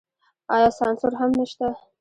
آیا سانسور هم نشته؟